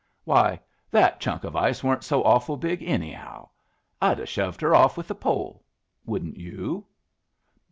"Why, that chunk of ice weren't so awful big anyhow. I'd 'a' shoved her off with a pole. Wouldn't you?"